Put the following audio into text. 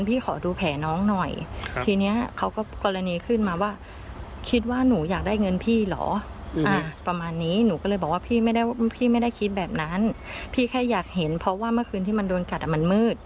พี่แค่อยากเห็นเพราะว่าเมื่อคืนที่มันโดนกัดมันมืด